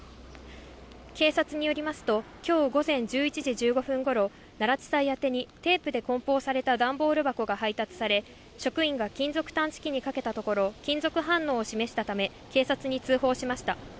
警察によりますと、きょう午前１１時１５分ごろ、奈良地裁宛てにテープでこん包された段ボール箱が配達され、職員が金属探知機にかけたところ、金属反応を示したため、警察に通報しました。